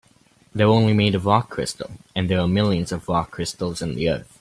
They're only made of rock crystal, and there are millions of rock crystals in the earth.